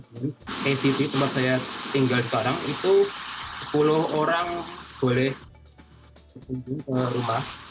k city tempat saya tinggal sekarang itu sepuluh orang boleh berpimpin ke rumah